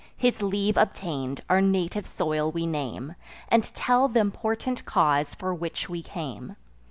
His leave obtain'd, our native soil we name, And tell th' important cause for which we came.